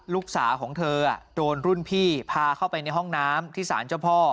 ลูกสาวของเธอโดนรุ่นพี่พาเข้าไปในห้องน้ำที่สารเจ้าพ่อ